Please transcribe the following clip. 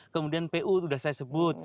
kemudian pu sudah saya sebut